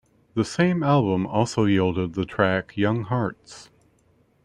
The same album also yielded the track "Young Hearts".